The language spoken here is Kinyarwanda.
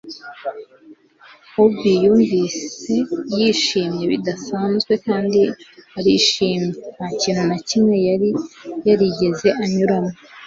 obi yumvise yishimye bidasanzwe kandi arishimye. nta kintu na kimwe yari yarigeze anyuramo